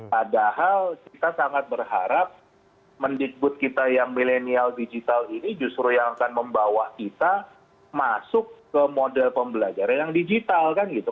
padahal kita sangat berharap mendikbud kita yang milenial digital ini justru yang akan membawa kita masuk ke model pembelajaran yang digital kan gitu